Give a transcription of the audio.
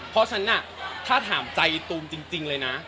เพราะฉะนั้นถ้าถามใจตูมจริงเลยนะ